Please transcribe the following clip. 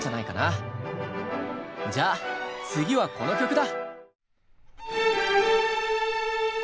じゃあ次はこの曲だ。